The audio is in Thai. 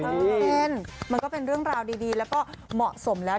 มันเป็นมันก็เป็นเรื่องราวดีแล้วก็เหมาะสมแล้ว